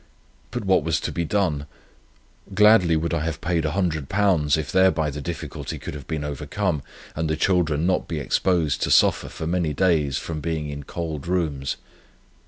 But what was to be done? Gladly would I have paid £100, if thereby the difficulty could have been overcome, and the children not be exposed to suffer for many days from being in cold rooms.